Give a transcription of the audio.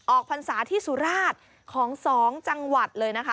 ออกพรษาที่สุราธิ์ของสองจังหวัดเลยนะคะ